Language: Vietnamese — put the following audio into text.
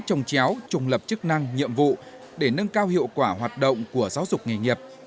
trồng chéo trùng lập chức năng nhiệm vụ để nâng cao hiệu quả hoạt động của giáo dục nghề nghiệp